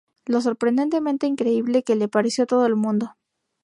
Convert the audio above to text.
lo sorprendentemente creíble que le pareció a todo el mundo